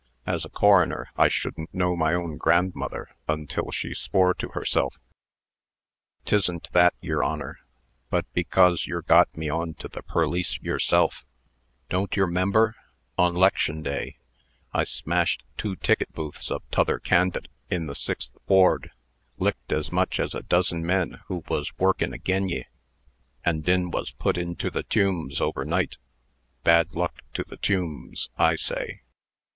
As a coroner, I shouldn't know my own grandmother, until she swore to herself." "'Tisn't that, yer Honor; but becos yer got me onto the perlice yerself. Don't yer 'member, on 'lection day, I smashed two ticket booths of t'other can'date, in the Sixth Ward, lickt as much as a dozen men who was workin' agen ye, an' din was put into the Tumes over night bad luck to the Tumes, I say!